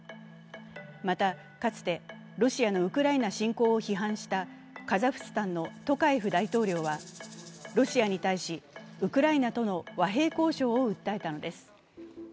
また、かつてロシアのウクライナ侵攻を批判したカザフスタンのトカエフ大統領はロシアに対し、ウクライナとの和平交渉を訴えたのです。